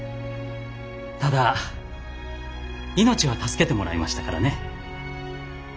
ただ命は助けてもらいましたからね。